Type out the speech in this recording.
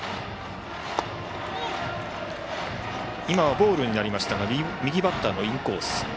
今はボールになりましたが右バッターのインコース。